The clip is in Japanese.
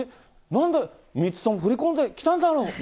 なんで３つとも振り込んできたんだろうと。